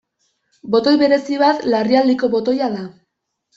Botoi berezi bat larrialdiko botoia da.